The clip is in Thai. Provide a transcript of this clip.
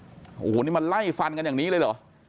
โอ้โหนี่มันไล่ฟันกันอย่างนี้เลยเหรอ